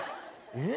えっ！？